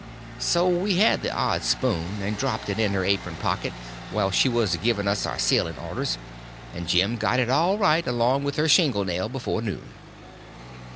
So we had the odd spoon, and dropped it in her apron pocket whilst she was a giving us our sailing orders, and Jim got it all right, along with her shingle nail, before noon.